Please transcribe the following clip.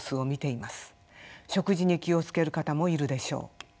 食事に気を付ける方もいるでしょう。